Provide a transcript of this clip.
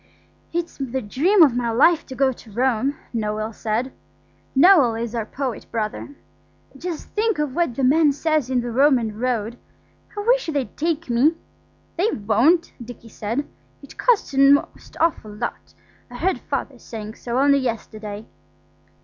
"It's the dream of my life to go to Rome," Noël said. Noël is our poet brother. "Just think of what the man says in the 'Roman Road'. I wish they'd take me." "They won't," Dicky said. "It costs a most awful lot. I heard Father saying so only yesterday."